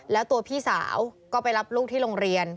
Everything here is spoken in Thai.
แล้วตัวพี่สาวก็ไปรับลูกที่โรงเรียน